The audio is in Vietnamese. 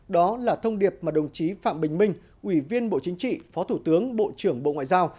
đó là thông điệp mà đồng chí phạm bình minh ủy viên bộ chính trị phó thủ tướng bộ trưởng bộ ngoại giao